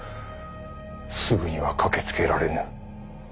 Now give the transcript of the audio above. すぐには駆けつけられぬ。